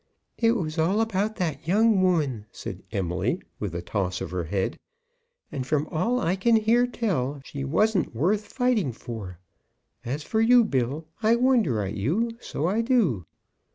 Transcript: "It was all about that young woman," said Emily, with a toss of her head. "And from all I can hear tell, she wasn't worth fighting for. As for you, Bill, I wonder at you; so I do."